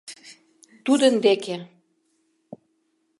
— Тудын деке.